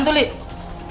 gak tau lik